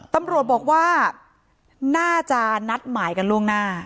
ตำรวจบอกว่าน่าจะนัดหมายกันล่วงหน้า